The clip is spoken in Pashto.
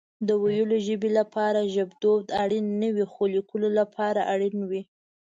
د ويلو ژبه لپاره ژبدود اړين نه وي خو ليکلو لپاره اړين وي